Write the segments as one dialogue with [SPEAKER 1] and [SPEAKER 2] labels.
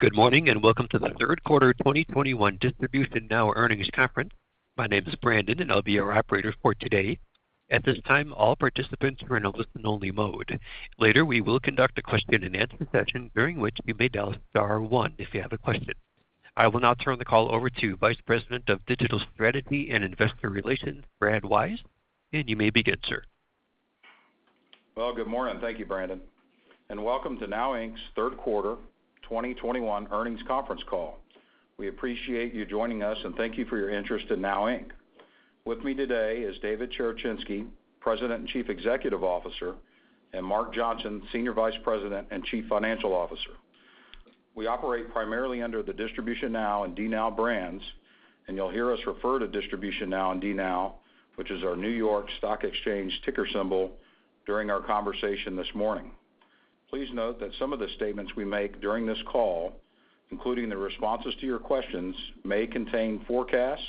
[SPEAKER 1] Good morning, and welcome to the third quarter 2021 DistributionNOW earnings conference. My name is Brandon, and I'll be your operator for today. At this time, all participants are in a listen-only mode. Later, we will conduct a question-and-answer session during which you may dial star one if you have a question. I will now turn the call over to Vice President of Digital Strategy and Investor Relations, Brad Wise, and you may begin, sir.
[SPEAKER 2] Well, good morning. Thank you, Brandon, and welcome to NOW Inc.'s third quarter 2021 earnings conference call. We appreciate you joining us, and thank you for your interest in NOW Inc. With me today is David Cherechinsky, President and Chief Executive Officer, and Mark Johnson, Senior Vice President and Chief Financial Officer. We operate primarily under the DistributionNOW and DNOW brands, and you'll hear us refer to DistributionNOW and DNOW, which is our New York Stock Exchange ticker symbol, during our conversation this morning. Please note that some of the statements we make during this call, including the responses to your questions, may contain forecasts,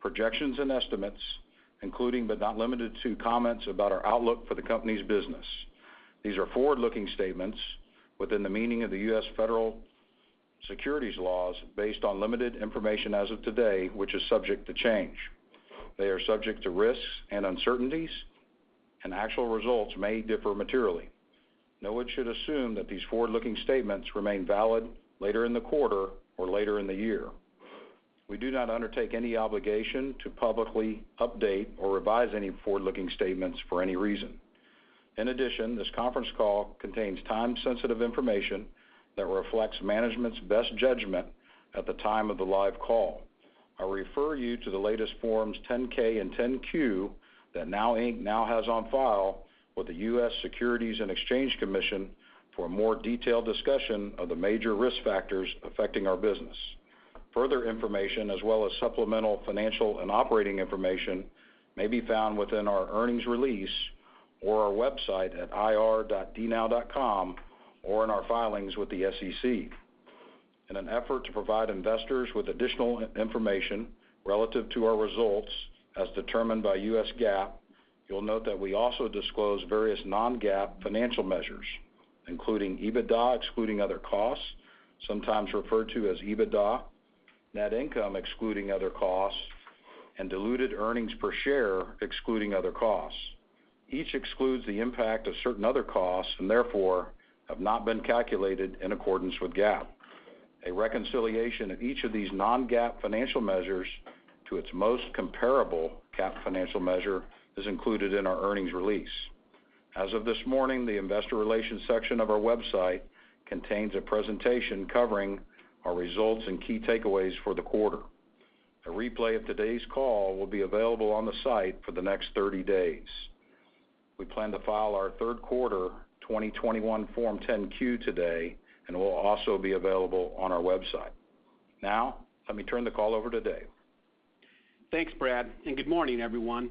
[SPEAKER 2] projections, and estimates, including, but not limited to, comments about our outlook for the company's business. These are forward-looking statements within the meaning of the U.S. federal securities laws based on limited information as of today, which is subject to change. They are subject to risks and uncertainties, and actual results may differ materially. No one should assume that these forward-looking statements remain valid later in the quarter or later in the year. We do not undertake any obligation to publicly update or revise any forward-looking statements for any reason. In addition, this conference call contains time-sensitive information that reflects management's best judgment at the time of the live call. I refer you to the latest Forms 10-K and 10-Q that NOW Inc. now has on file with the U.S. Securities and Exchange Commission for a more detailed discussion of the major risk factors affecting our business. Further information as well as supplemental financial and operating information may be found within our earnings release or our website at ir.dnow.com or in our filings with the SEC. In an effort to provide investors with additional information relative to our results as determined by U.S. GAAP, you'll note that we also disclose various non-GAAP financial measures, including EBITDA excluding other costs, sometimes referred to as EBITDA, net income excluding other costs, and diluted earnings per share excluding other costs. Each excludes the impact of certain other costs and therefore have not been calculated in accordance with GAAP. A reconciliation of each of these non-GAAP financial measures to its most comparable GAAP financial measure is included in our earnings release. As of this morning, the investor relations section of our website contains a presentation covering our results and key takeaways for the quarter. A replay of today's call will be available on the site for the next 30 days. We plan to file our third quarter 2021 Form 10-Q today, and it will also be available on our website. Now, let me turn the call over to Dave.
[SPEAKER 3] Thanks, Brad, and good morning, everyone.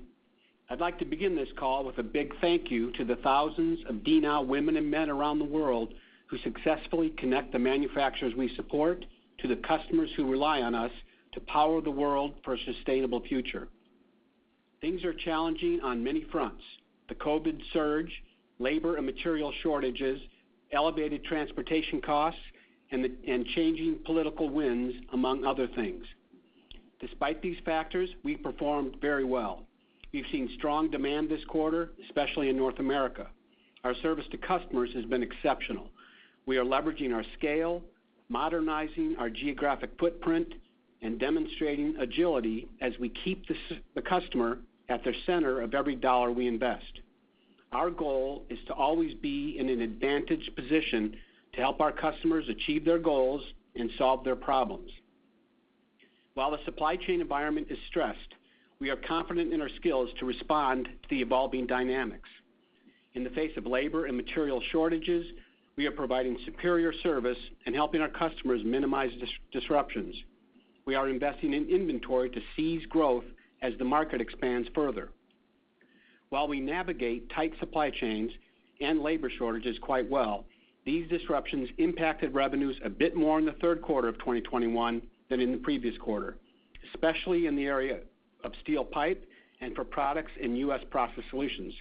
[SPEAKER 3] I'd like to begin this call with a big thank you to the thousands of DNOW women and men around the world who successfully connect the manufacturers we support to the customers who rely on us to power the world for a sustainable future. Things are challenging on many fronts. The COVID surge, labor and material shortages, elevated transportation costs, and changing political winds, among other things. Despite these factors, we performed very well. We've seen strong demand this quarter, especially in North America. Our service to customers has been exceptional. We are leveraging our scale, modernizing our geographic footprint, and demonstrating agility as we keep the customer at the center of every dollar we invest. Our goal is to always be in an advantaged position to help our customers achieve their goals and solve their problems. While the supply chain environment is stressed, we are confident in our skills to respond to the evolving dynamics. In the face of labor and material shortages, we are providing superior service and helping our customers minimize disruptions. We are investing in inventory to seize growth as the market expands further. While we navigate tight supply chains and labor shortages quite well, these disruptions impacted revenues a bit more in the third quarter of 2021 than in the previous quarter, especially in the area of steel pipe and for products in US Process Solutions.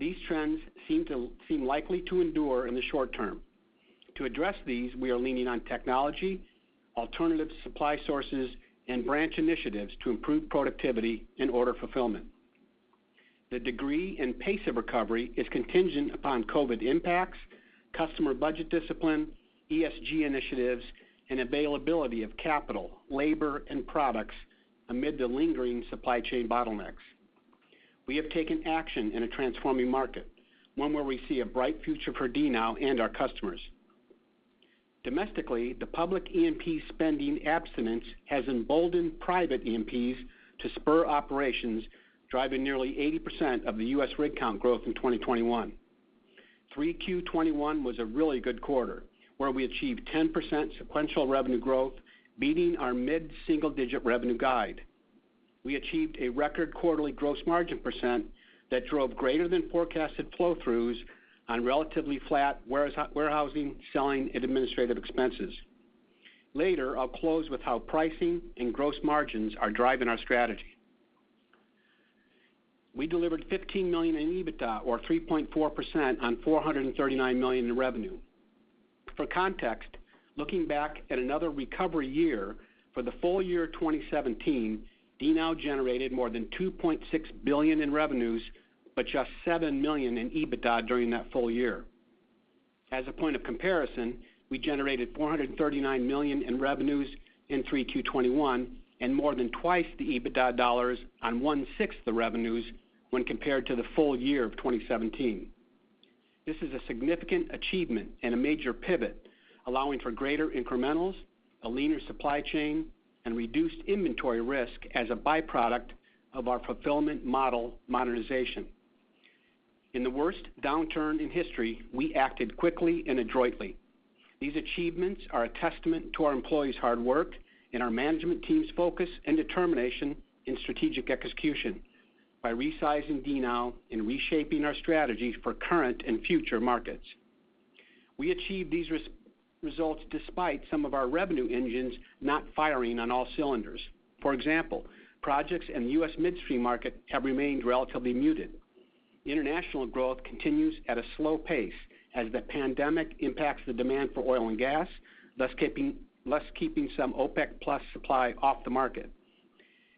[SPEAKER 3] These trends seem likely to endure in the short term. To address these, we are leaning on technology, alternative supply sources, and branch initiatives to improve productivity and order fulfillment. The degree and pace of recovery is contingent upon COVID impacts, customer budget discipline, ESG initiatives, and availability of capital, labor, and products amid the lingering supply chain bottlenecks. We have taken action in a transforming market, one where we see a bright future for DNOW and our customers. Domestically, the public E&P spending abstinence has emboldened private E&Ps to spur operations, driving nearly 80% of the U.S. rig count growth in 2021. 3Q 2021 was a really good quarter, where we achieved 10% sequential revenue growth, beating our mid-single-digit revenue guide. We achieved a record quarterly gross margin percent that drove greater than forecasted flow-throughs on relatively flat warehousing, selling, and administrative expenses. Later, I'll close with how pricing and gross margins are driving our strategy. We delivered $15 million in EBITDA or 3.4% on $439 million in revenue. For context, looking back at another recovery year, for the full year 2017, DNOW generated more than $2.6 billion in revenues, but just $7 million in EBITDA during that full year. As a point of comparison, we generated $439 million in revenues in 3Q 2021, and more than twice the EBITDA dollars on 1/6 the revenues when compared to the full year of 2017. This is a significant achievement and a major pivot, allowing for greater incrementals, a leaner supply chain, and reduced inventory risk as a byproduct of our fulfillment model modernization. In the worst downturn in history, we acted quickly and adroitly. These achievements are a testament to our employees' hard work and our management team's focus and determination in strategic execution by resizing DNOW and reshaping our strategies for current and future markets. We achieved these results despite some of our revenue engines not firing on all cylinders. For example, projects in the U.S. midstream market have remained relatively muted. International growth continues at a slow pace as the pandemic impacts the demand for oil and gas, thus keeping some OPEC+ supply off the market.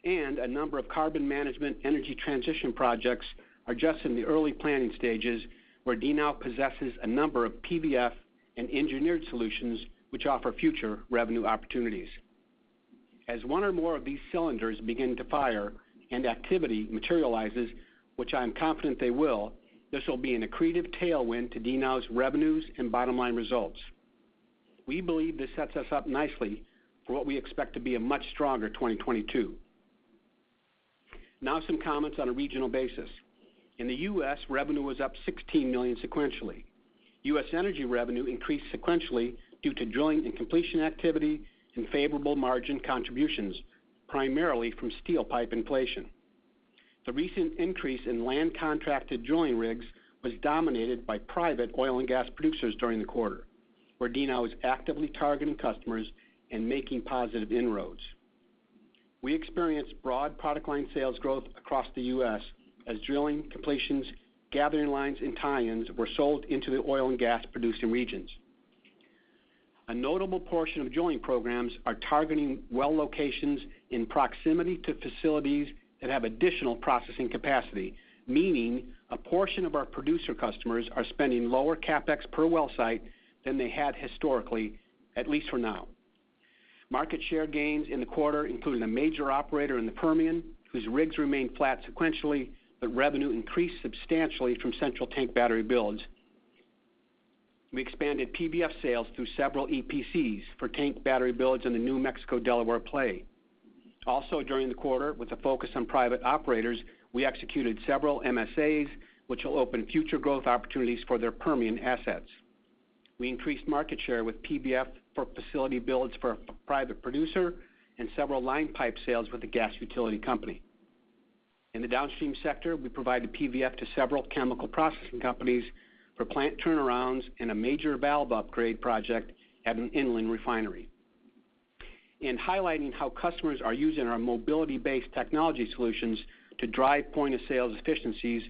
[SPEAKER 3] A number of carbon management energy transition projects are just in the early planning stages, where DNOW possesses a number of PVF and engineered solutions which offer future revenue opportunities. As one or more of these cylinders begin to fire and activity materializes, which I am confident they will, this will be an accretive tailwind to DNOW's revenues and bottom-line results. We believe this sets us up nicely for what we expect to be a much stronger 2022. Now some comments on a regional basis. In the U.S., revenue was up $16 million sequentially. U.S. energy revenue increased sequentially due to drilling and completion activity and favorable margin contributions, primarily from steel pipe inflation. The recent increase in land contracted drilling rigs was dominated by private oil and gas producers during the quarter, where DNOW is actively targeting customers and making positive inroads. We experienced broad product line sales growth across the U.S. as drilling, completions, gathering lines, and tie-ins were sold into the oil and gas producing regions. A notable portion of drilling programs are targeting well locations in proximity to facilities that have additional processing capacity, meaning a portion of our producer customers are spending lower CapEx per well site than they had historically, at least for now. Market share gains in the quarter include a major operator in the Permian, whose rigs remain flat sequentially, but revenue increased substantially from central tank battery builds. We expanded PVF sales through several EPCs for tank battery builds in the New Mexico-Delaware play. Also, during the quarter, with a focus on private operators, we executed several MSAs, which will open future growth opportunities for their Permian assets. We increased market share with PVF for facility builds for a private producer and several line pipe sales with a gas utility company. In the downstream sector, we provided PVF to several chemical processing companies for plant turnarounds and a major valve upgrade project at an inland refinery. In highlighting how customers are using our mobility-based technology solutions to drive point of sales efficiencies,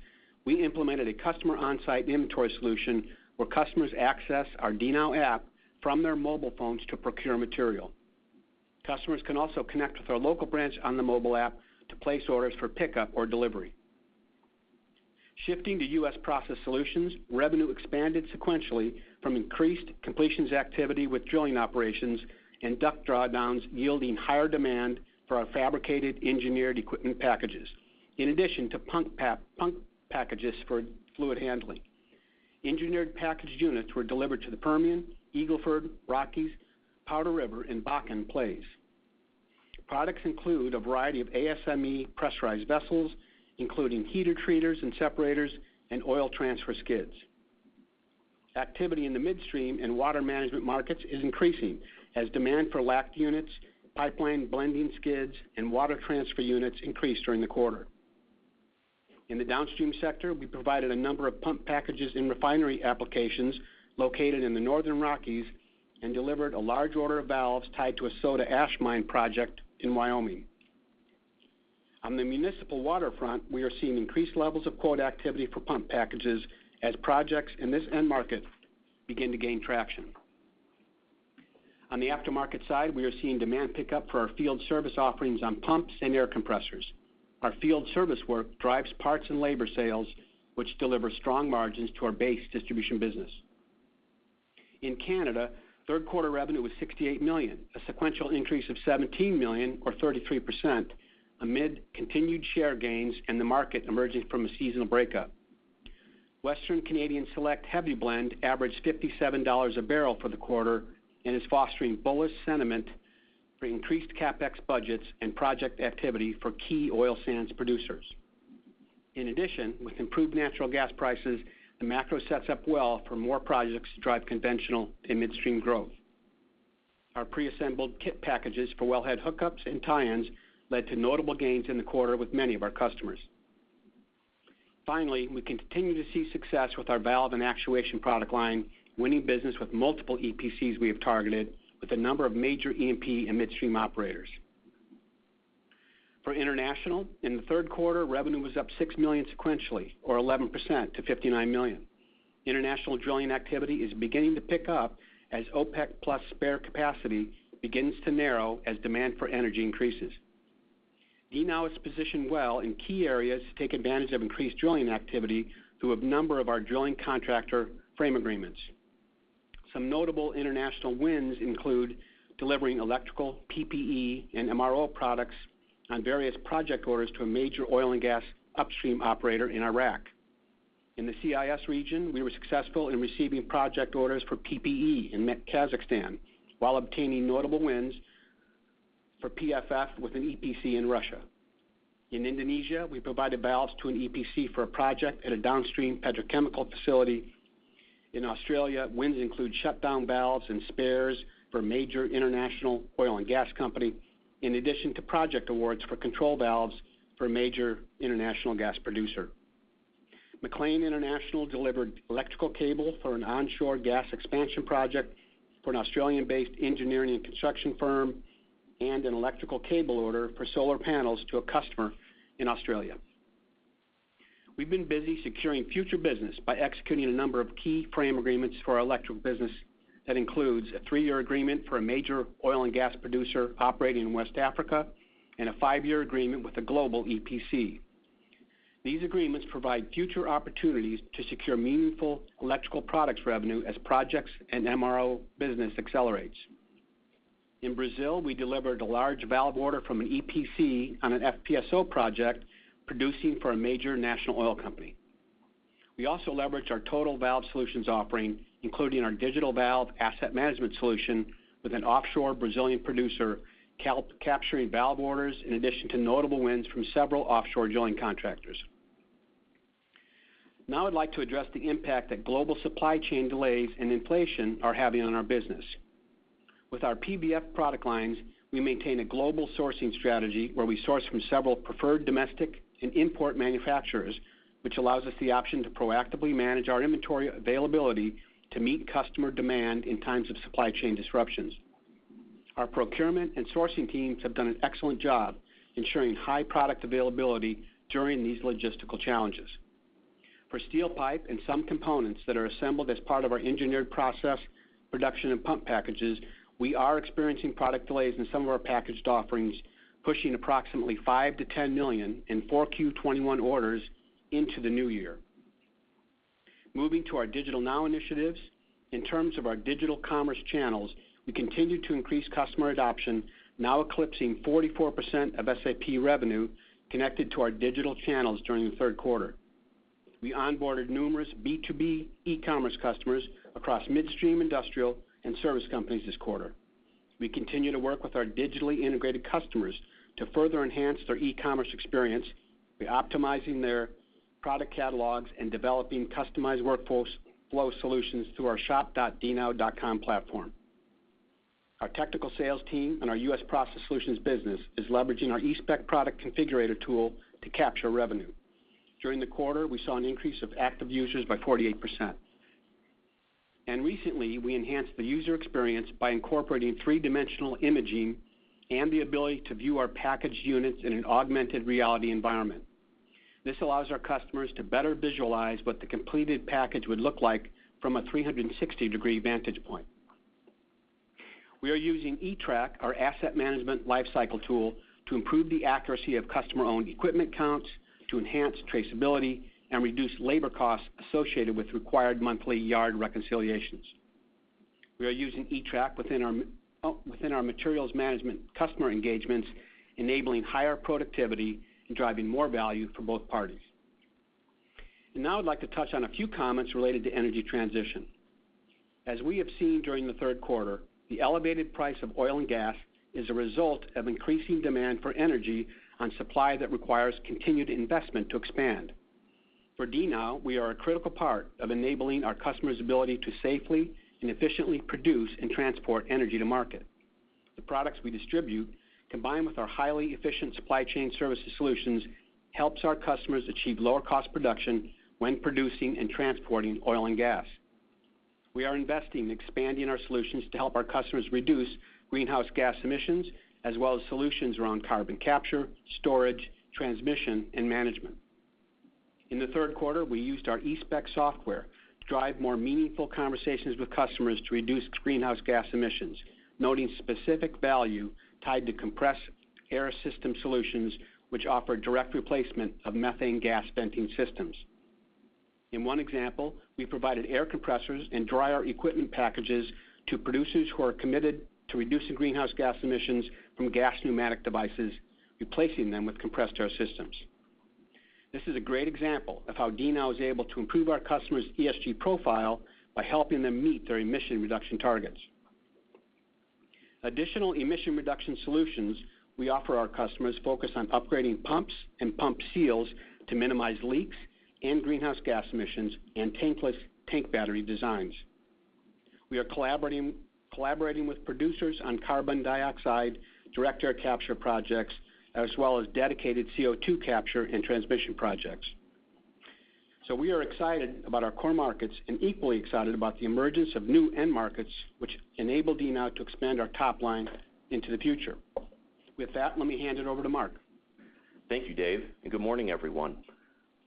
[SPEAKER 3] we implemented a customer on-site inventory solution where customers access our DNOW app from their mobile phones to procure material. Customers can also connect with our local branch on the mobile app to place orders for pickup or delivery. Shifting to U.S. Process Solutions, revenue expanded sequentially from increased completions activity with drilling operations and DUC drawdowns yielding higher demand for our fabricated engineered equipment packages, in addition to pump packages for fluid handling. Engineered packaged units were delivered to the Permian, Eagle Ford, Rockies, Powder River, and Bakken plays. Products include a variety of ASME pressurized vessels, including heater treaters and separators and oil transfer skids. Activity in the midstream and water management markets is increasing as demand for LACT units, pipeline blending skids, and water transfer units increased during the quarter. In the downstream sector, we provided a number of pump packages in refinery applications located in the Northern Rockies and delivered a large order of valves tied to a soda ash mine project in Wyoming. On the municipal waterfront, we are seeing increased levels of quote activity for pump packages as projects in this end market begin to gain traction. On the aftermarket side, we are seeing demand pick up for our field service offerings on pumps and air compressors. Our field service work drives parts and labor sales, which deliver strong margins to our base distribution business. In Canada, third quarter revenue was $68 million, a sequential increase of $17 million or 33%, amid continued share gains and the market emerging from a seasonal breakup. Western Canadian Select heavy blend averaged 57 dollars a bbl for the quarter and is fostering bullish sentiment for increased CapEx budgets and project activity for key oil sands producers. In addition, with improved natural gas prices, the macro sets up well for more projects to drive conventional and midstream growth. Our preassembled kit packages for wellhead hookups and tie-ins led to notable gains in the quarter with many of our customers. Finally, we continue to see success with our valve and actuation product line, winning business with multiple EPCs we have targeted with a number of major E&P and midstream operators. For international, in the third quarter, revenue was up $6 million sequentially, or 11% to $59 million. International drilling activity is beginning to pick up as OPEC+ spare capacity begins to narrow as demand for energy increases. DNOW is positioned well in key areas to take advantage of increased drilling activity through a number of our drilling contractor frame agreements. Some notable international wins include delivering electrical, PPE, and MRO products on various project orders to a major oil and gas upstream operator in Iraq. In the CIS region, we were successful in receiving project orders for PPE in Kazakhstan, while obtaining notable wins for PFF with an EPC in Russia. In Indonesia, we provided valves to an EPC for a project at a downstream petrochemical facility. In Australia, wins include shutdown valves and spares for a major international oil and gas company, in addition to project awards for control valves for a major international gas producer. MacLean International delivered electrical cable for an onshore gas expansion project for an Australian-based engineering and construction firm, and an electrical cable order for solar panels to a customer in Australia. We've been busy securing future business by executing a number of key frame agreements for our electrical business that includes a three-year agreement for a major oil and gas producer operating in West Africa, and a five-year agreement with a global EPC. These agreements provide future opportunities to secure meaningful electrical products revenue as projects and MRO business accelerates. In Brazil, we delivered a large valve order from an EPC on an FPSO project producing for a major national oil company. We also leveraged our total valve solutions offering, including our digital valve asset management solution with an offshore Brazilian producer capturing valve orders in addition to notable wins from several offshore drilling contractors. Now I'd like to address the impact that global supply chain delays and inflation are having on our business. With our PVF product lines, we maintain a global sourcing strategy where we source from several preferred domestic and import manufacturers, which allows us the option to proactively manage our inventory availability to meet customer demand in times of supply chain disruptions. Our procurement and sourcing teams have done an excellent job ensuring high product availability during these logistical challenges. For steel pipe and some components that are assembled as part of our engineered process, production, and pump packages, we are experiencing product delays in some of our packaged offerings, pushing approximately $5 million-$10 million in 4Q 2021 orders into the new year. Moving to our DigitalNOW initiatives, in terms of our digital commerce channels, we continue to increase customer adoption, now eclipsing 44% of SAP revenue connected to our digital channels during the third quarter. We onboarded numerous B2B e-commerce customers across midstream industrial and service companies this quarter. We continue to work with our digitally integrated customers to further enhance their e-commerce experience by optimizing their product catalogs and developing customized workflow solutions through our shop.dnow.com platform. Our technical sales team and our U.S. Process Solutions business is leveraging our eSpec product configurator tool to capture revenue. During the quarter, we saw an increase of active users by 48%. Recently, we enhanced the user experience by incorporating three-dimensional imaging and the ability to view our packaged units in an augmented reality environment. This allows our customers to better visualize what the completed package would look like from a 360-degree vantage point. We are using eTrack, our asset management lifecycle tool, to improve the accuracy of customer-owned equipment counts, to enhance traceability, and reduce labor costs associated with required monthly yard reconciliations. We are using eTrack within our materials management customer engagements, enabling higher productivity and driving more value for both parties. Now I'd like to touch on a few comments related to energy transition. As we have seen during the third quarter, the elevated price of oil and gas is a result of increasing demand for energy on supply that requires continued investment to expand. For DNOW, we are a critical part of enabling our customers' ability to safely and efficiently produce and transport energy to market. The products we distribute, combined with our highly efficient supply chain services solutions, helps our customers achieve lower cost production when producing and transporting oil and gas. We are investing in expanding our solutions to help our customers reduce greenhouse gas emissions, as well as solutions around carbon capture, storage, transmission, and management. In the third quarter, we used our eSpec software to drive more meaningful conversations with customers to reduce greenhouse gas emissions, noting specific value tied to compressed air system solutions, which offer direct replacement of methane gas venting systems. In one example, we provided air compressors and dryer equipment packages to producers who are committed to reducing greenhouse gas emissions from gas pneumatic devices, replacing them with compressed air systems. This is a great example of how DNOW is able to improve our customers' ESG profile by helping them meet their emission reduction targets. Additional emission reduction solutions we offer our customers focus on upgrading pumps and pump seals to minimize leaks and greenhouse gas emissions and tankless tank battery designs. We are collaborating with producers on carbon dioxide direct air capture projects, as well as dedicated CO2 capture and transmission projects. We are excited about our core markets and equally excited about the emergence of new end markets, which enable DNOW to expand our top line into the future. With that, let me hand it over to Mark.
[SPEAKER 4] Thank you, Dave, and good morning, everyone.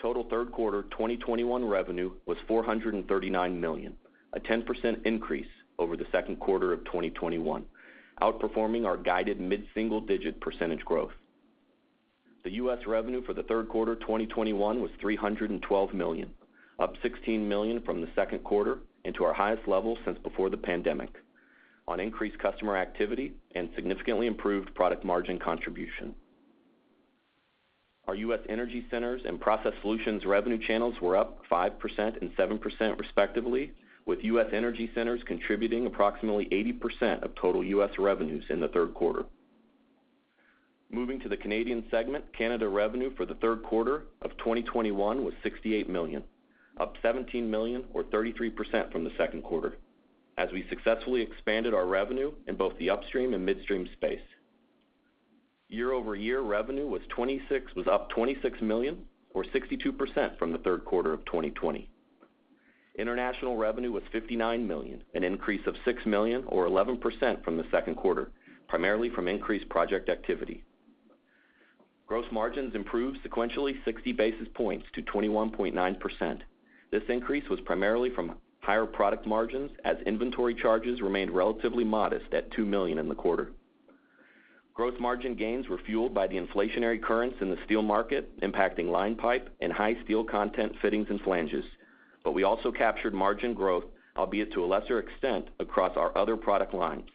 [SPEAKER 4] Total third quarter 2021 revenue was $439 million, a 10% increase over the second quarter of 2021, outperforming our guided mid-single digit percentage growth. The U.S. revenue for the third quarter 2021 was $312 million, up $16 million from the second quarter into our highest level since before the pandemic on increased customer activity and significantly improved product margin contribution. Our U.S. Energy Centers and Process Solutions revenue channels were up 5% and 7% respectively, with U.S. Energy Centers contributing approximately 80% of total U.S. revenues in the third quarter. Moving to the Canadian segment, Canada revenue for the third quarter of 2021 was $68 million, up $17 million or 33% from the second quarter, as we successfully expanded our revenue in both the upstream and midstream space. Year-over-year revenue was up $26 million or 62% from the third quarter of 2020. International revenue was $59 million, an increase of $6 million or 11% from the second quarter, primarily from increased project activity. Gross margins improved sequentially 60 basis points to 21.9%. This increase was primarily from higher product margins as inventory charges remained relatively modest at $2 million in the quarter. Gross margin gains were fueled by the inflationary currents in the steel market, impacting line pipe and high steel content fittings and flanges. We also captured margin growth, albeit to a lesser extent, across our other product lines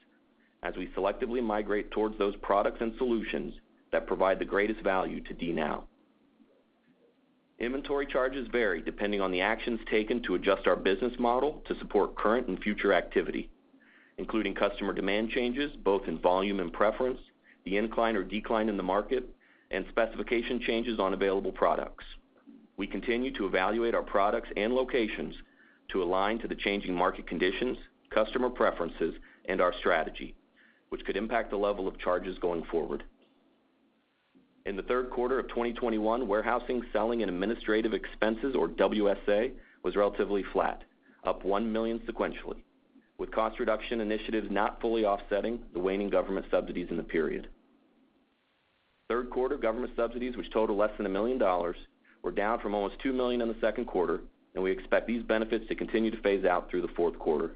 [SPEAKER 4] as we selectively migrate towards those products and solutions that provide the greatest value to DNOW. Inventory charges vary depending on the actions taken to adjust our business model to support current and future activity, including customer demand changes, both in volume and preference, the incline or decline in the market, and specification changes on available products. We continue to evaluate our products and locations to align to the changing market conditions, customer preferences, and our strategy, which could impact the level of charges going forward. In the third quarter of 2021, warehousing, selling and administrative expenses, or WSA, was relatively flat, up $1 million sequentially, with cost reduction initiatives not fully offsetting the waning government subsidies in the period. Third quarter government subsidies, which total less than $1 million, were down from almost $2 million in the second quarter, and we expect these benefits to continue to phase out through the fourth quarter.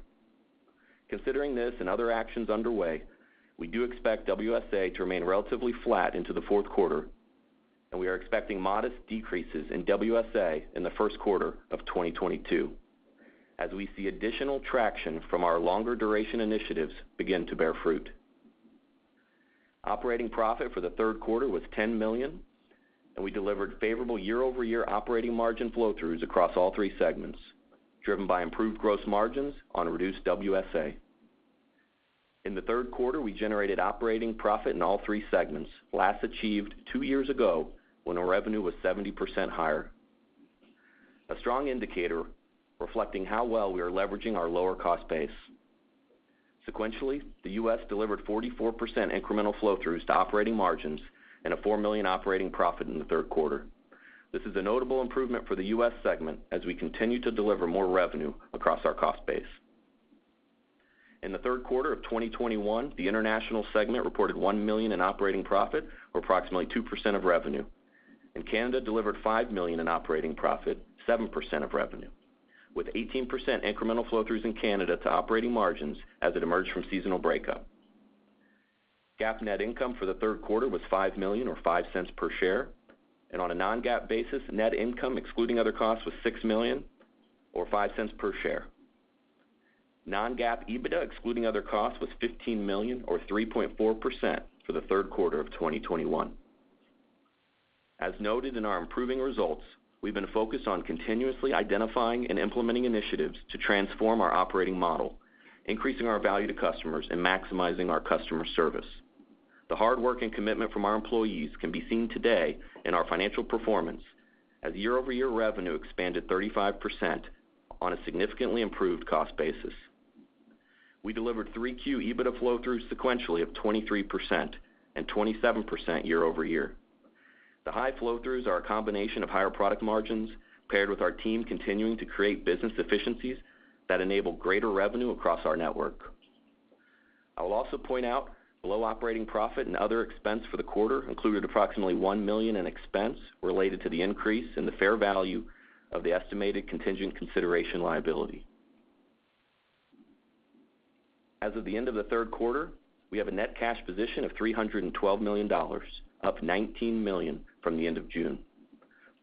[SPEAKER 4] Considering this and other actions underway, we do expect WSA to remain relatively flat into the fourth quarter, and we are expecting modest decreases in WSA in the first quarter of 2022 as we see additional traction from our longer duration initiatives begin to bear fruit. Operating profit for the third quarter was $10 million, and we delivered favorable year-over-year operating margin flow-throughs across all three segments, driven by improved gross margins on reduced WSA. In the third quarter, we generated operating profit in all three segments, last achieved two years ago when our revenue was 70% higher. A strong indicator reflecting how well we are leveraging our lower cost base. Sequentially, the U.S. delivered 44% incremental flow-throughs to operating margins and a $4 million operating profit in the third quarter. This is a notable improvement for the U.S. segment as we continue to deliver more revenue across our cost base. In the third quarter of 2021, the international segment reported $1 million in operating profit or approximately 2% of revenue. Canada delivered $5 million in operating profit, 7% of revenue, with 18% incremental flow-throughs in Canada to operating margins as it emerged from seasonal breakup. GAAP net income for the third quarter was $5 million or $0.05 per share. On a non-GAAP basis, net income excluding other costs was $6 million or $0.05 per share. Non-GAAP EBITDA, excluding other costs, was $15 million or 3.4% for the third quarter of 2021. As noted in our improving results, we've been focused on continuously identifying and implementing initiatives to transform our operating model, increasing our value to customers and maximizing our customer service. The hard work and commitment from our employees can be seen today in our financial performance as year-over-year revenue expanded 35% on a significantly improved cost basis. We delivered 3Q EBITDA flow-throughs sequentially of 23% and 27% year-over-year. The high flow-throughs are a combination of higher product margins paired with our team continuing to create business efficiencies that enable greater revenue across our network. I will also point out, below operating profit and other expense for the quarter included approximately $1 million in expense related to the increase in the fair value of the estimated contingent consideration liability. As of the end of the third quarter, we have a net cash position of $312 million, up $19 million from the end of June.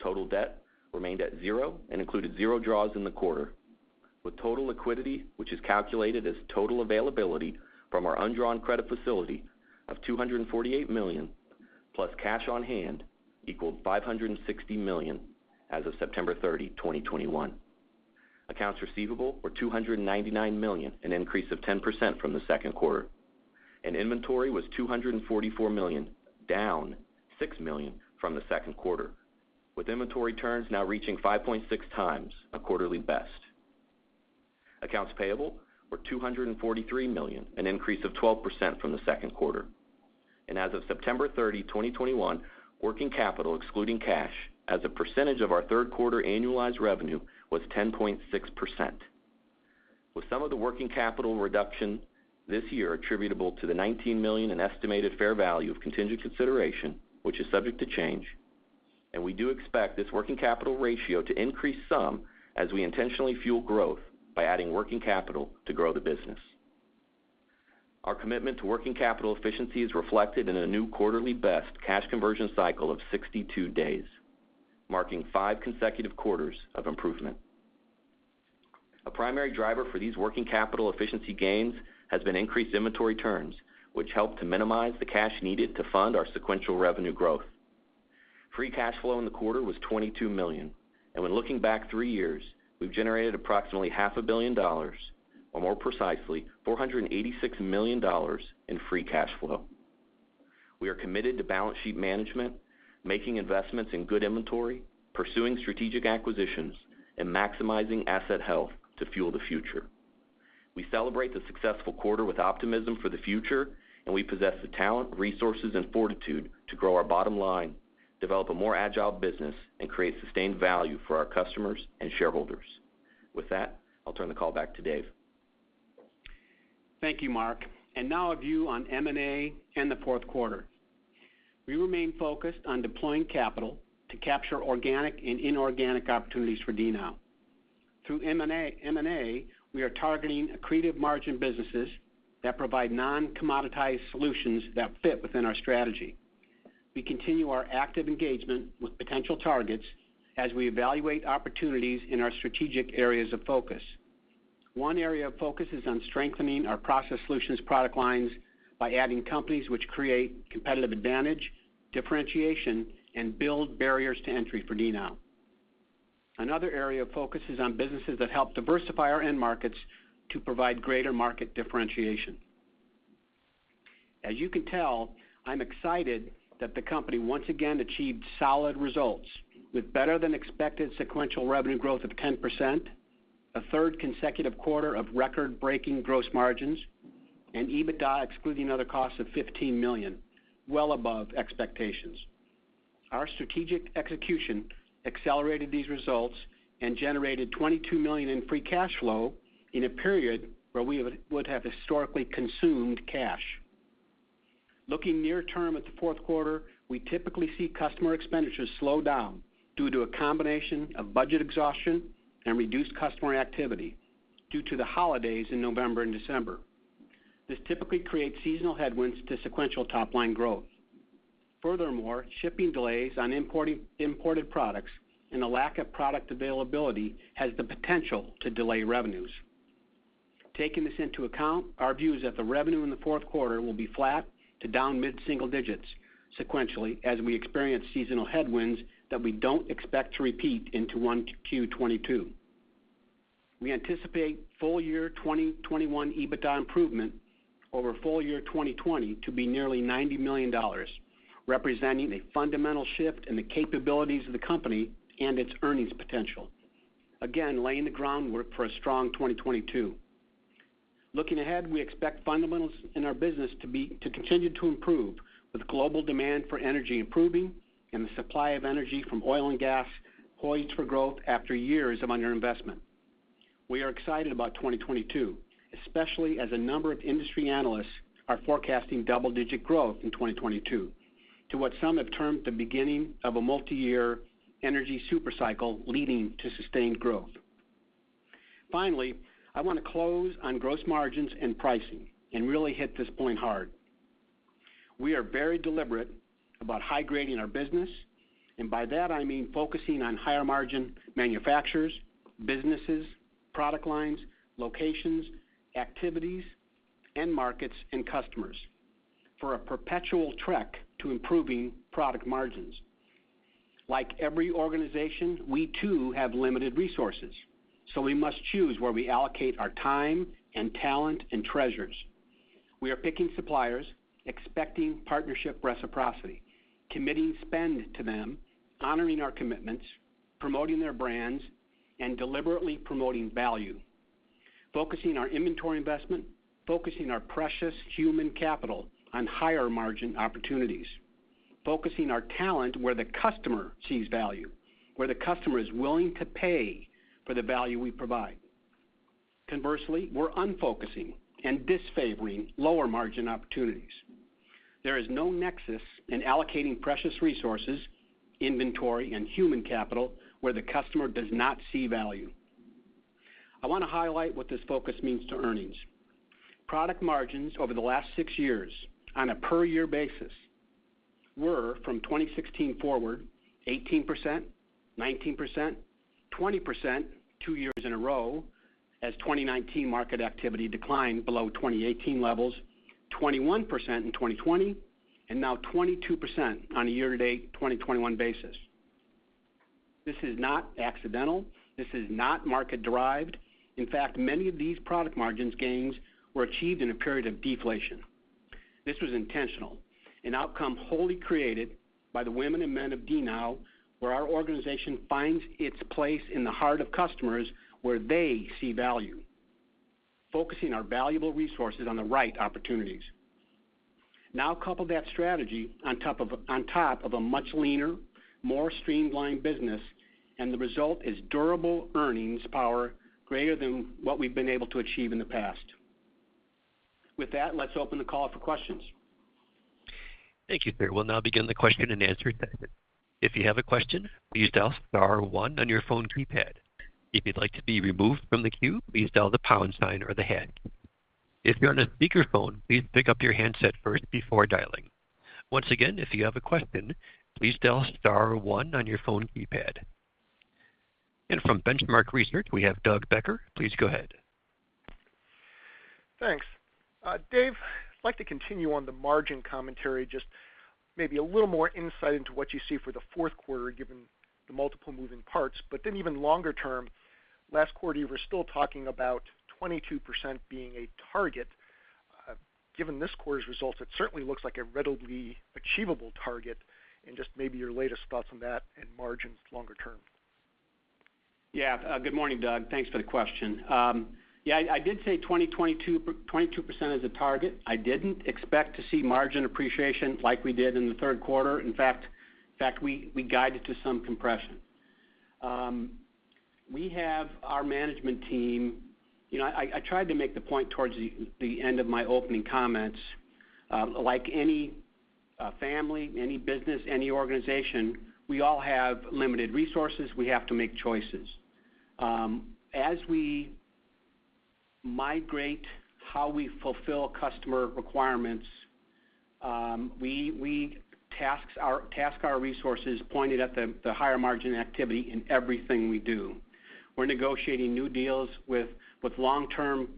[SPEAKER 4] Total debt remained at zero and included zero draws in the quarter, with total liquidity, which is calculated as total availability from our undrawn credit facility of $248 million+ cash on hand, equaled $560 million as of September 30, 2021. Accounts receivable were $299 million, an increase of 10% from the second quarter. Inventory was $244 million, down $6 million from the second quarter, with inventory turns now reaching 5.6 times a quarterly best. Accounts payable were $243 million, an increase of 12% from the second quarter. As of September 30, 2021, working capital excluding cash as a percentage of our third quarter annualized revenue was 10.6%. With some of the working capital reduction this year attributable to the $19 million in estimated fair value of contingent consideration, which is subject to change, and we do expect this working capital ratio to increase some as we intentionally fuel growth by adding working capital to grow the business. Our commitment to working capital efficiency is reflected in a new quarterly best cash conversion cycle of 62 days, marking five consecutive quarters of improvement. A primary driver for these working capital efficiency gains has been increased inventory turns, which help to minimize the cash needed to fund our sequential revenue growth. Free cash flow in the quarter was $22 million, and when looking back three years, we've generated approximately half a billion dollars, or more precisely, $486 million in free cash flow. We are committed to balance sheet management, making investments in good inventory, pursuing strategic acquisitions, and maximizing asset health to fuel the future. We celebrate the successful quarter with optimism for the future, and we possess the talent, resources, and fortitude to grow our bottom line, develop a more agile business, and create sustained value for our customers and shareholders. With that, I'll turn the call back to Dave.
[SPEAKER 3] Thank you, Mark. Now a view on M&A and the fourth quarter. We remain focused on deploying capital to capture organic and inorganic opportunities for DNOW. Through M&A, we are targeting accretive margin businesses that provide non-commoditized solutions that fit within our strategy. We continue our active engagement with potential targets as we evaluate opportunities in our strategic areas of focus. One area of focus is on strengthening our Process Solutions product lines by adding companies which create competitive advantage, differentiation, and build barriers to entry for DNOW. Another area of focus is on businesses that help diversify our end markets to provide greater market differentiation. As you can tell, I'm excited that the company once again achieved solid results with better-than-expected sequential revenue growth of 10%, 1/3 consecutive quarter of record-breaking gross margins, and EBITDA excluding other costs of $15 million, well above expectations. Our strategic execution accelerated these results and generated $22 million in free cash flow in a period where we would have historically consumed cash. Looking near term at the fourth quarter, we typically see customer expenditures slow down due to a combination of budget exhaustion and reduced customer activity due to the holidays in November and December. This typically creates seasonal headwinds to sequential top line growth. Furthermore, shipping delays on imported products and a lack of product availability has the potential to delay revenues. Taking this into account, our view is that the revenue in the fourth quarter will be flat to down mid-single digits% sequentially as we experience seasonal headwinds that we don't expect to repeat into Q 2022. We anticipate full year 2021 EBITDA improvement over full year 2020 to be nearly $90 million, representing a fundamental shift in the capabilities of the company and its earnings potential. Again, laying the groundwork for a strong 2022. Looking ahead, we expect fundamentals in our business to continue to improve with global demand for energy improving and the supply of energy from oil and gas poised for growth after years of underinvestment. We are excited about 2022, especially as a number of industry analysts are forecasting double-digit growth in 2022 to what some have termed the beginning of a multiyear energy super cycle leading to sustained growth. Finally, I wanna close on gross margins and pricing, and really hit this point hard. We are very deliberate about high-grading our business, and by that I mean focusing on higher-margin manufacturers, businesses, product lines, locations, activities, end markets, and customers for a perpetual trek to improving product margins. Like every organization, we too have limited resources, so we must choose where we allocate our time and talent and treasures. We are picking suppliers, expecting partnership reciprocity, committing spend to them, honoring our commitments, promoting their brands, and deliberately promoting value. Focusing our inventory investment, focusing our precious human capital on higher-margin opportunities. Focusing our talent where the customer sees value, where the customer is willing to pay for the value we provide. Conversely, we're unfocusing and disfavoring lower-margin opportunities. There is no nexus in allocating precious resources, inventory, and human capital where the customer does not see value. I wanna highlight what this focus means to earnings. Product margins over the last six years on a per year basis were, from 2016 forward, 18%, 19%, 20% two years in a row as 2019 market activity declined below 2018 levels, 21% in 2020, and now 22% on a year-to-date 2021 basis. This is not accidental. This is not market-derived. In fact, many of these product margins gains were achieved in a period of deflation. This was intentional, an outcome wholly created by the women and men of DNOW, where our organization finds its place in the heart of customers where they see value, focusing our valuable resources on the right opportunities. Now couple that strategy on top of, on top of a much leaner, more streamlined business, and the result is durable earnings power greater than what we've been able to achieve in the past. With that, let's open the call for questions.
[SPEAKER 1] Thank you, sir. We'll now begin the question and answer session. If you have a question, please dial star one on your phone keypad. If you'd like to be removed from the queue, please dial the pound sign or the hash. If you're on a speakerphone, please pick up your handset first before dialing. Once again, if you have a question, please dial star one on your phone keypad. From Benchmark Research, we have Doug Becker. Please go ahead.
[SPEAKER 5] Thanks. Dave, I'd like to continue on the margin commentary, just maybe a little more insight into what you see for the fourth quarter, given the multiple moving parts. Then even longer term, last quarter, you were still talking about 22% being a target. Given this quarter's results, it certainly looks like a readily achievable target. Just maybe your latest thoughts on that and margins longer term.
[SPEAKER 3] Yeah. Good morning, Doug. Thanks for the question. Yeah, I did say 22% is the target. I didn't expect to see margin appreciation like we did in the third quarter. In fact, we guided to some compression. We have our management team. You know, I tried to make the point towards the end of my opening comments. Like any family, any business, any organization, we all have limited resources. We have to make choices. As we migrate how we fulfill customer requirements, we task our resources pointed at the higher margin activity in everything we do. We're negotiating new deals with long-term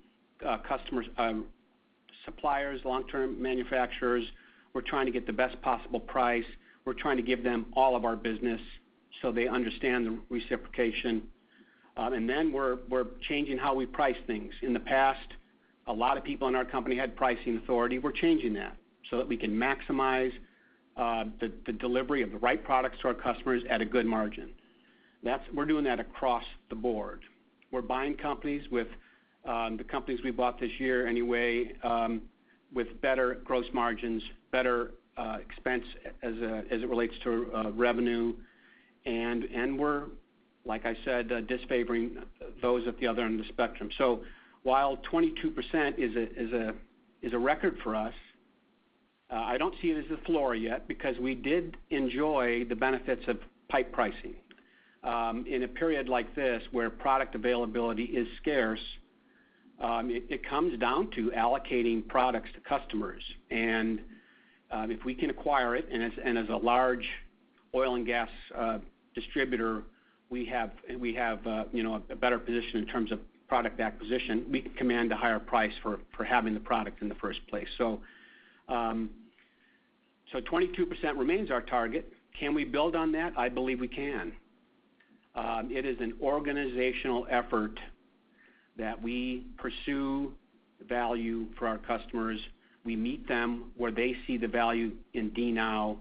[SPEAKER 3] customers, suppliers, long-term manufacturers. We're trying to get the best possible price. We're trying to give them all of our business so they understand the reciprocation. We're changing how we price things. In the past, a lot of people in our company had pricing authority. We're changing that so that we can maximize the delivery of the right products to our customers at a good margin. We're doing that across the board. We're buying companies with the companies we bought this year anyway with better gross margins, better expense as it relates to revenue. We're, like I said, disfavoring those at the other end of the spectrum. While 22% is a record for us, I don't see it as a floor yet because we did enjoy the benefits of pipe pricing. In a period like this where product availability is scarce, it comes down to allocating products to customers. If we can acquire it, and as a large oil and gas distributor, we have you know a better position in terms of product acquisition. We can command a higher price for having the product in the first place. So 22% remains our target. Can we build on that? I believe we can. It is an organizational effort that we pursue value for our customers. We meet them where they see the value in DNOW.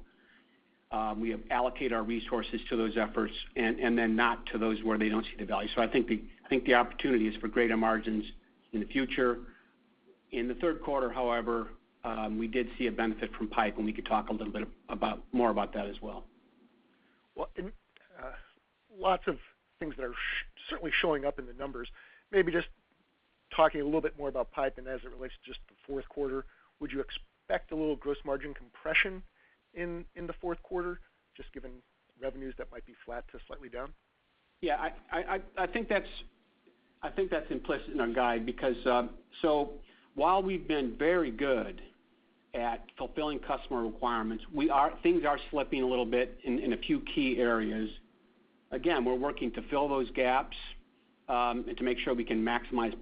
[SPEAKER 3] We allocate our resources to those efforts and then not to those where they don't see the value. So I think the opportunity is for greater margins in the future. In the third quarter, however, we did see a benefit from pipe, and we could talk a little bit more about that as well.
[SPEAKER 5] Well, lots of things that are certainly showing up in the numbers. Maybe just talking a little bit more about pipe and as it relates to just the fourth quarter, would you expect a little gross margin compression in the fourth quarter, just given revenues that might be flat to slightly down?
[SPEAKER 3] Yeah. I think that's implicit in our guide because while we've been very good at fulfilling customer requirements, things are slipping a little bit in a few key areas. Again, we're working to fill those gaps and to make sure we can maximize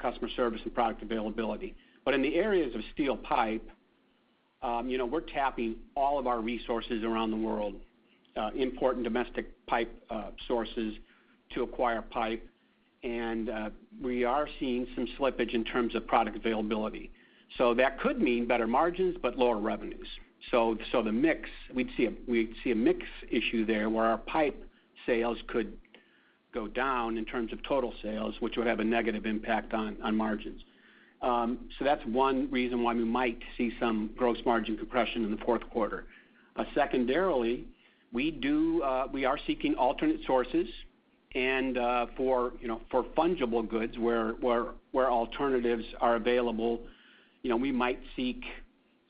[SPEAKER 3] customer service and product availability. But in the areas of steel pipe, you know, we're tapping all of our resources around the world, import and domestic pipe sources to acquire pipe. We are seeing some slippage in terms of product availability. That could mean better margins, but lower revenues. The mix, we'd see a mix issue there where our pipe sales could go down in terms of total sales, which would have a negative impact on margins. That's one reason why we might see some gross margin compression in the fourth quarter. Secondarily, we are seeking alternate sources and, you know, for fungible goods where alternatives are available, you know, we might seek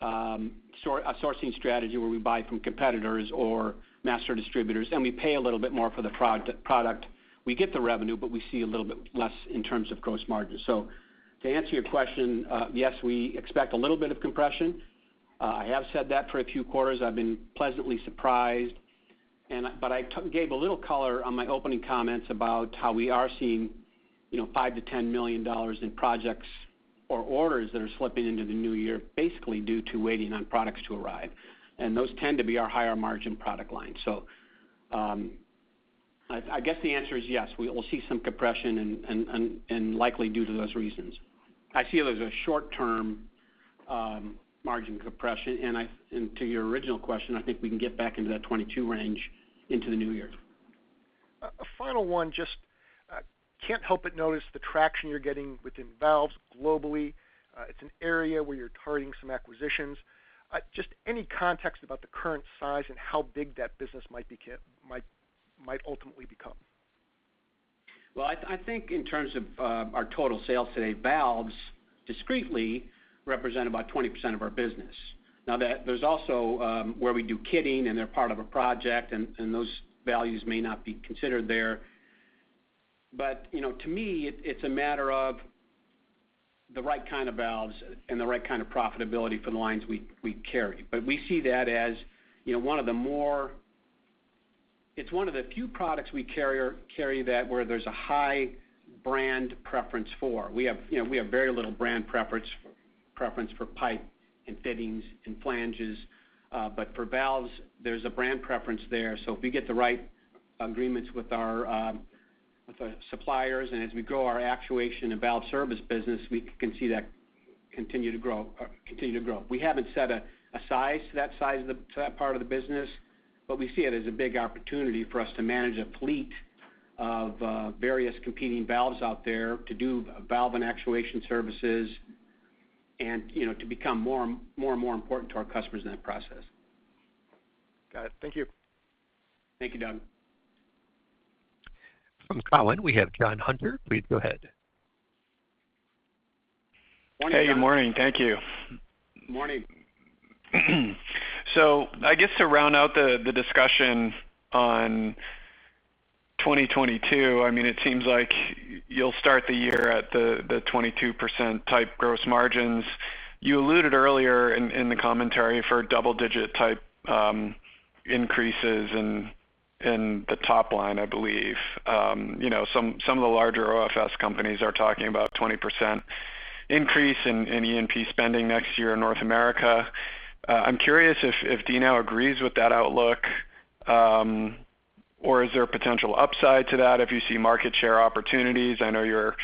[SPEAKER 3] a sourcing strategy where we buy from competitors or master distributors, and we pay a little bit more for the product. We get the revenue, but we see a little bit less in terms of gross margin. To answer your question, yes, we expect a little bit of compression. I have said that for a few quarters. I've been pleasantly surprised. I gave a little color on my opening comments about how we are seeing. You know, $5 million-$10 million in projects or orders that are slipping into the new year, basically due to waiting on products to arrive. Those tend to be our higher margin product lines. So, I guess the answer is yes, we will see some compression and likely due to those reasons. I see it as a short term margin compression. To your original question, I think we can get back into that 22% range into the new year.
[SPEAKER 5] A final one, just can't help but notice the traction you're getting within valves globally. It's an area where you're targeting some acquisitions. Just any context about the current size and how big that business might ultimately become?
[SPEAKER 3] I think in terms of our total sales today, valves discreetly represent about 20% of our business. There's also where we do kitting, and they're part of a project, and those valves may not be considered there. You know, to me, it's a matter of the right kind of valves and the right kind of profitability for the lines we carry. We see that as you know, one of the more. It's one of the few products we carry that, where there's a high brand preference for. We have, you know, very little brand preference for pipe and fittings and flanges. For valves, there's a brand preference there. If we get the right agreements with our suppliers, and as we grow our actuation and valve service business, we can see that continue to grow. We haven't set a size to that part of the business, but we see it as a big opportunity for us to manage a fleet of various competing valves out there to do valve and actuation services and, you know, to become more and more important to our customers in that process.
[SPEAKER 5] Got it. Thank you.
[SPEAKER 3] Thank you, Doug.
[SPEAKER 1] From Cowen, we have Jon Hunter, please go ahead.
[SPEAKER 3] Morning, Jon.
[SPEAKER 6] Hey, good morning. Thank you.
[SPEAKER 3] Morning.
[SPEAKER 6] I guess to round out the discussion on 2022, I mean, it seems like you'll start the year at the 22% type gross margins. You alluded earlier in the commentary for double-digit type increases in the top line, I believe. You know, some of the larger OFS companies are talking about 20% increase in E&P spending next year in North America. I'm curious if DNOW agrees with that outlook, or is there a potential upside to that if you see market share opportunities? I know you're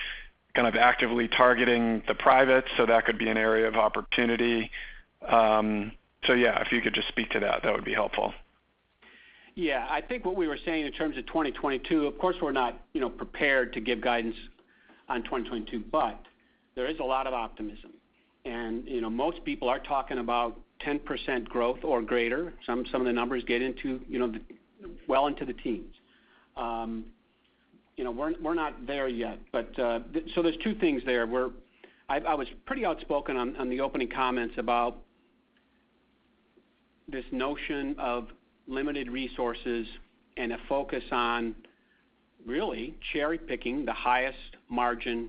[SPEAKER 6] kind of actively targeting the privates, so that could be an area of opportunity. Yeah, if you could just speak to that would be helpful.
[SPEAKER 3] Yeah. I think what we were saying in terms of 2022, of course, we're not, you know, prepared to give guidance on 2022, but there is a lot of optimism. You know, most people are talking about 10% growth or greater. Some of the numbers get into, you know, well into the teens. You know, we're not there yet, but there's two things there. I was pretty outspoken on the opening comments about this notion of limited resources and a focus on really cherry picking the highest margin,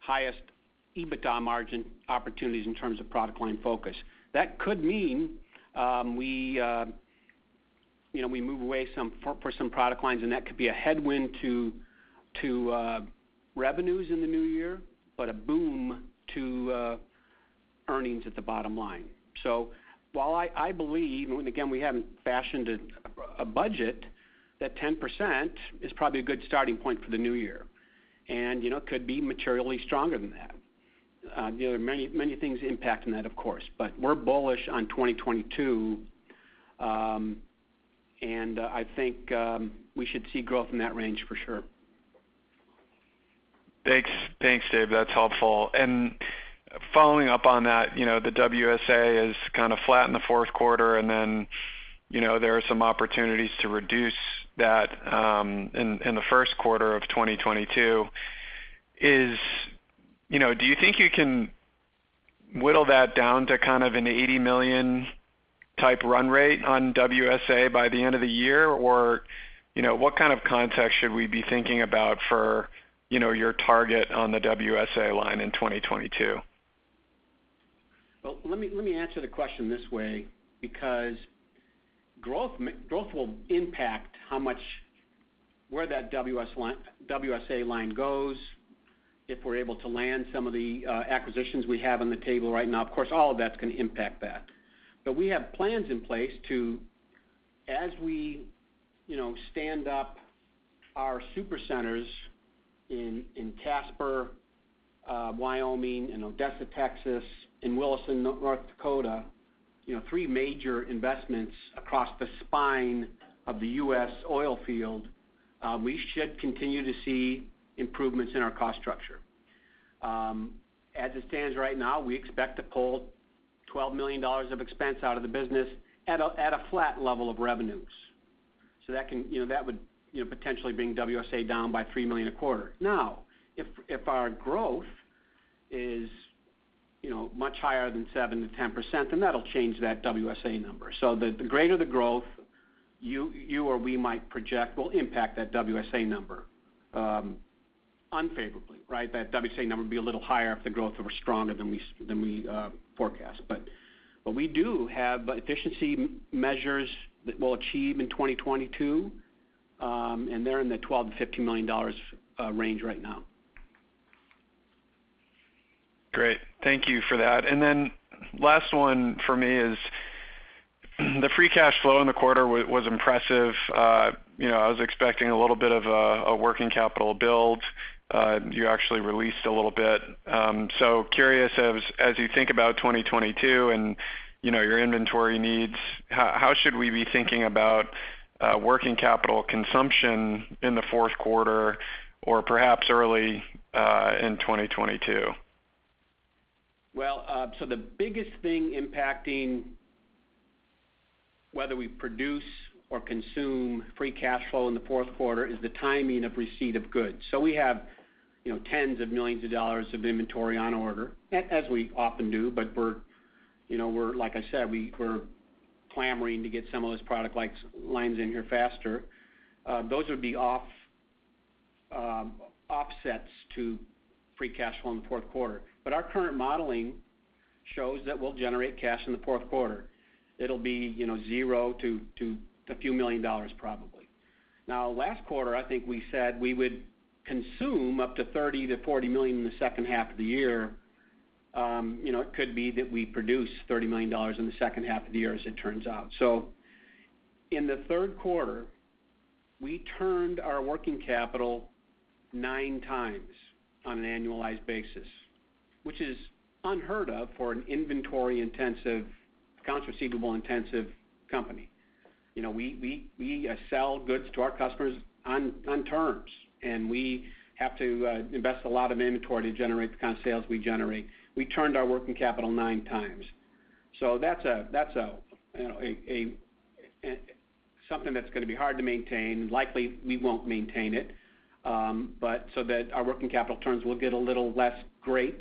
[SPEAKER 3] highest EBITDA margin opportunities in terms of product line focus. That could mean we move away some for some product lines, and that could be a headwind to revenues in the new year, but a boom to earnings at the bottom line. While I believe, and again, we haven't fashioned a budget, that 10% is probably a good starting point for the new year. You know, it could be materially stronger than that. You know, many things impacting that, of course. We're bullish on 2022, and I think we should see growth in that range for sure.
[SPEAKER 6] Thanks. Thanks, Dave. That's helpful. Following up on that, you know, the WSA is kind of flat in the fourth quarter, and then, you know, there are some opportunities to reduce that in the first quarter of 2022. You know, do you think you can whittle that down to kind of an $80 million type run rate on WSA by the end of the year? Or, you know, what kind of context should we be thinking about for, you know, your target on the WSA line in 2022?
[SPEAKER 3] Well, let me answer the question this way because growth will impact where that WSA line goes, if we're able to land some of the acquisitions we have on the table right now. Of course, all of that's gonna impact that. We have plans in place to, as we, you know, stand up our super centers in Casper, Wyoming and Odessa, Texas, in Williston, North Dakota, you know, three major investments across the spine of the U.S. oil field, we should continue to see improvements in our cost structure. As it stands right now, we expect to pull $12 million of expense out of the business at a flat level of revenues. That would, you know, potentially bring WSA down by $3 million a quarter. Now, if our growth is, you know, much higher than 7%-10%, then that'll change that WSA number. The greater the growth you or we might project will impact that WSA number unfavorably, right? That WSA number would be a little higher if the growth were stronger than we forecast. We do have efficiency measures that we'll achieve in 2022, and they're in the $12 million-$15 million range right now.
[SPEAKER 6] Great. Thank you for that. Last one for me is the free cash flow in the quarter was impressive. You know, I was expecting a little bit of a working capital build. You actually released a little bit. Curious as you think about 2022 and, you know, your inventory needs, how should we be thinking about working capital consumption in the fourth quarter or perhaps early in 2022?
[SPEAKER 3] Well, the biggest thing impacting whether we produce or consume free cash flow in the fourth quarter is the timing of receipt of goods. We have, you know, tens of millions of inventory on order, as we often do. You know, like I said, we're clamoring to get some of this product lines in here faster. Those would be offsets to free cash flow in the fourth quarter. Our current modeling shows that we'll generate cash in the fourth quarter. It'll be, you know, zero to a few million dollars probably. Now, last quarter, I think we said we would consume up to $30 million-$40 million in the second half of the year. You know, it could be that we produce $30 million in the second half of the year as it turns out. In the third quarter, we turned our working capital 9x on an annualized basis, which is unheard of for an inventory-intensive, accounts receivable-intensive company. You know, we sell goods to our customers on terms, and we have to invest a lot of inventory to generate the kind of sales we generate. We turned our working capital 9x. That's something that's gonna be hard to maintain. Likely we won't maintain it. But so that our working capital terms will get a little less great.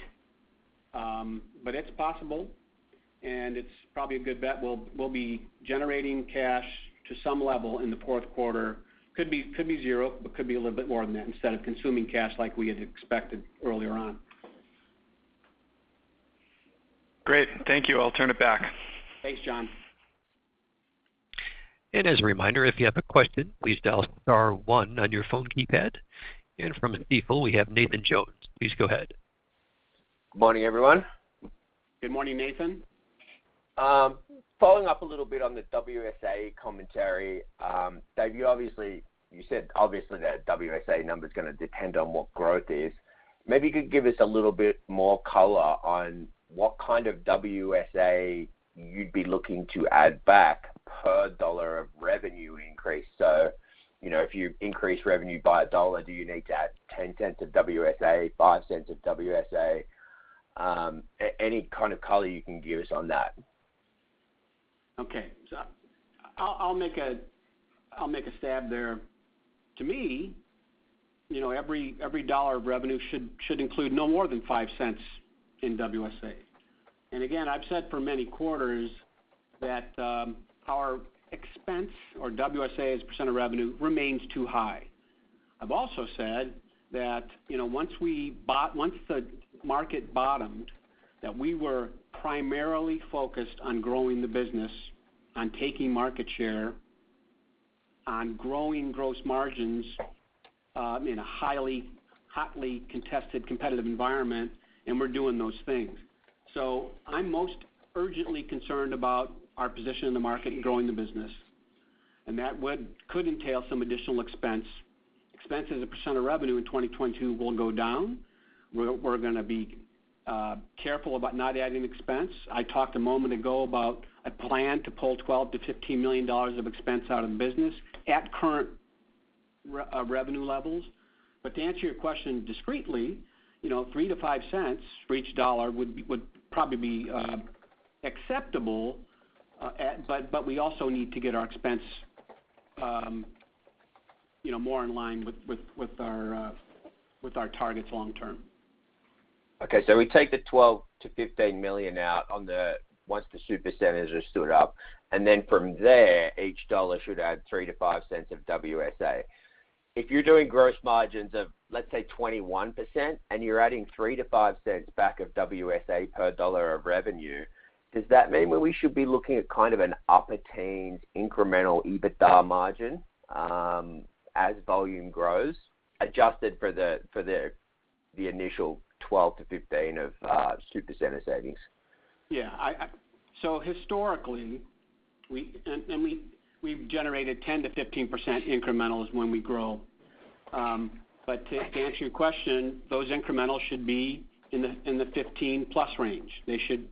[SPEAKER 3] But it's possible, and it's probably a good bet we'll be generating cash to some level in the fourth quarter. Could be, could be zero, but could be a little bit more than that instead of consuming cash like we had expected earlier on.
[SPEAKER 6] Great. Thank you. I'll turn it back.
[SPEAKER 3] Thanks, Jon.
[SPEAKER 1] As a reminder, if you have a question, please dial star one on your phone keypad. And from Stifel, we have Nathan Jones, please go ahead.
[SPEAKER 7] Good morning, everyone.
[SPEAKER 3] Good morning, Nathan.
[SPEAKER 7] Following up a little bit on the WSA commentary, Dave, you said obviously that WSA number is gonna depend on what growth is. Maybe you could give us a little bit more color on what kind of WSA you'd be looking to add back per dollar of revenue increase. You know, if you increase revenue by a dollar, do you need to add $0.10 of WSA, $0.05 of WSA? Any kind of color you can give us on that.
[SPEAKER 3] Okay. I'll make a stab there. To me, every dollar of revenue should include no more than five cents in WSA. Again, I've said for many quarters that our expense or WSA as a percent of revenue remains too high. I've also said that once the market bottomed, that we were primarily focused on growing the business, on taking market share, on growing gross margins in a hotly contested competitive environment, and we're doing those things. I'm most urgently concerned about our position in the market and growing the business, and that could entail some additional expense. Expense as a percent of revenue in 2022 will go down. We're gonna be careful about not adding expense. I talked a moment ago about a plan to pull $12 million-$15 million of expense out of the business at current revenue levels. To answer your question directly, you know, $0.03-$0.05 for each dollar would probably be acceptable, but we also need to get our expense, you know, more in line with our targets long term.
[SPEAKER 7] We take the $12 million-$15 million out once the super centers are stood up, and then from there, each dollar should add $0.03-$0.05 of WSA. If you're doing gross margins of, let's say, 21%, and you're adding $0.03-$0.05 back of WSA per dollar of revenue, does that mean we should be looking at kind of an upper teens incremental EBITDA margin as volume grows, adjusted for the initial $12 million-$15 million of super center savings?
[SPEAKER 3] Historically, we have generated 10%-15% incrementals when we grow. To answer your question, those incrementals should be in the 15+ range. They should,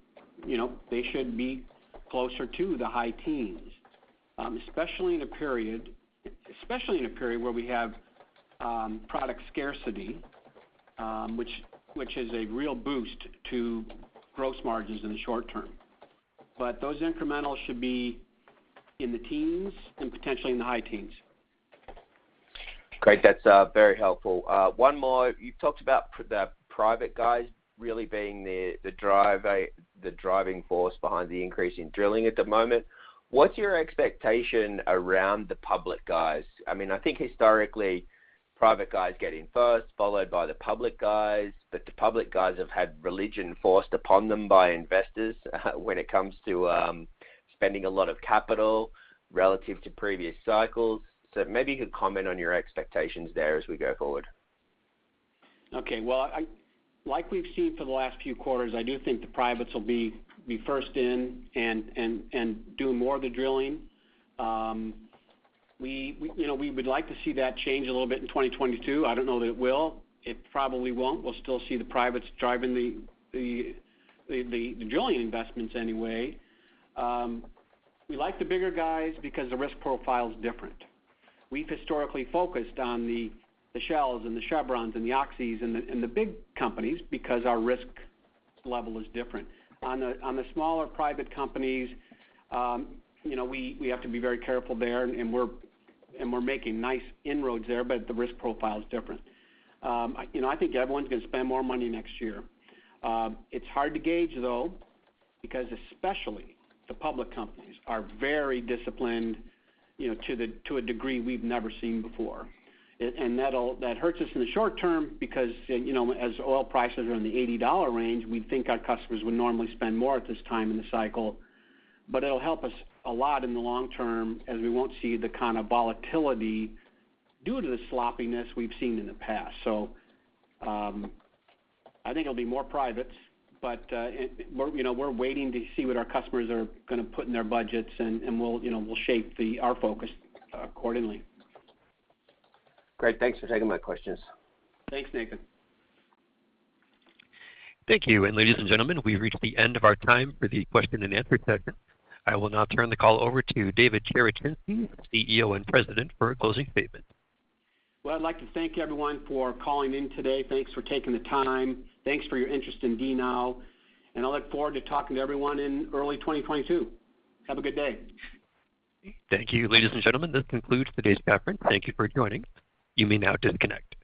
[SPEAKER 3] you know, be closer to the high teens, especially in a period where we have product scarcity, which is a real boost to gross margins in the short term. Those incrementals should be in the teens and potentially in the high teens.
[SPEAKER 7] Great. That's very helpful. One more. You've talked about the private guys really being the driving force behind the increase in drilling at the moment. What's your expectation around the public guys? I mean, I think historically private guys get in first, followed by the public guys, but the public guys have had religion forced upon them by investors when it comes to spending a lot of capital relative to previous cycles. Maybe you could comment on your expectations there as we go forward.
[SPEAKER 3] Well, like we've seen for the last few quarters, I do think the privates will be first in and doing more of the drilling. We, you know, we would like to see that change a little bit in 2022. I don't know that it will. It probably won't. We'll still see the privates driving the drilling investments anyway. We like the bigger guys because the risk profile is different. We've historically focused on the Shell and the Chevron and the Occidental and the big companies because our risk level is different. On the smaller private companies, you know, we have to be very careful there, and we're making nice inroads there, but the risk profile is different. You know, I think everyone's gonna spend more money next year. It's hard to gauge though because especially the public companies are very disciplined, you know, to a degree we've never seen before. That'll hurt us in the short term because, you know, as oil prices are in the $80 range, we think our customers would normally spend more at this time in the cycle. It'll help us a lot in the long term, as we won't see the kind of volatility due to the sloppiness we've seen in the past. I think it'll be more privates, but we're, you know, waiting to see what our customers are gonna put in their budgets, and we'll, you know, shape our focus accordingly.
[SPEAKER 7] Great. Thanks for taking my questions.
[SPEAKER 3] Thanks, Nathan.
[SPEAKER 1] Thank you. Ladies and gentlemen, we've reached the end of our time for the question and answer session. I will now turn the call over to David Cherechinsky, CEO and President, for a closing statement.
[SPEAKER 3] Well, I'd like to thank everyone for calling in today. Thanks for taking the time. Thanks for your interest in DNOW, and I look forward to talking to everyone in early 2022. Have a good day.
[SPEAKER 1] Thank you. Ladies and gentlemen, this concludes today's conference. Thank you for joining. You may now disconnect.